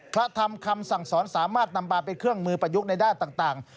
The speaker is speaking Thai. พระธรรมคำสั่งสอนสามารถนำมาเป็นเครื่องมือประยุกต์ในด้านต่าง